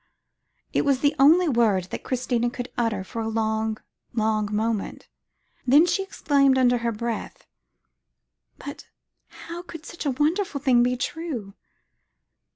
It was the only word that Christina could utter for a long, long moment; then she exclaimed under her breath, "But how could such a wonderful thing be true?